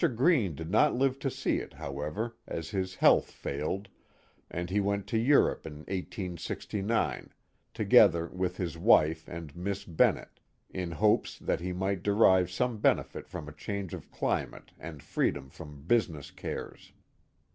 Greene did not live to see it, however, as his health failed, and he went to Europe in 1869, together with his wife and Miss Bennett, in hopes that he might derive some benefit from a change of climate and freedom from business cares.